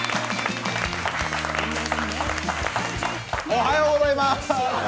おはようございます。